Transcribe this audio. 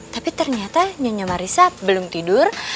tapi ternyata nyonya marisa belum tidur